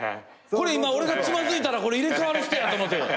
これ今俺がつまずいたら入れ替わる人やと思て。